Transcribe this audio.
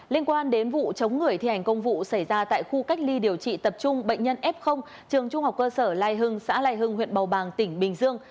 liên quan đến vụ chống người thi hành công vụ xảy ra tại khu cách ly điều trị tập trung bệnh nhân f trường trung học cơ sở lai hưng xã lai hưng huyện bầu bàng tỉnh bình dương